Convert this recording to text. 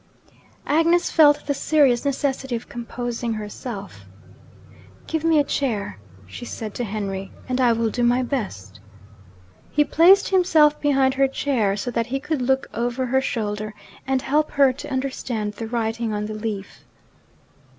Agnes felt the serious necessity of composing herself. 'Give me a chair,' she said to Henry; 'and I will do my best.' He placed himself behind her chair so that he could look over her shoulder and help her to understand the writing on the leaf.